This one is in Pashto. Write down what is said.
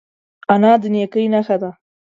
انا د نیکۍ نښه ده